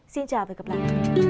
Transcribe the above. xin chào và hẹn gặp lại